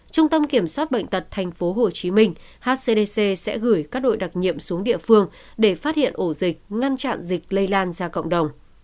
trung tâm kiểm soát bệnh tật tp hcm hcdc sẽ gửi các đội đặc nhiệm xuống địa phương để phát hiện ổ dịch ngăn chặn dịch lây lan ra cộng đồng